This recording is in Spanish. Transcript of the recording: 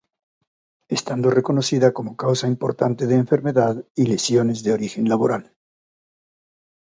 Estando reconocida como causa importante de enfermedad y lesiones de origen laboral.